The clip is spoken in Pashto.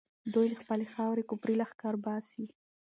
دوی له خپلې خاورې کفري لښکر باسي.